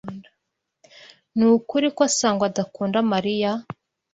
Nukuri ko Sangwa adakunda Mariya?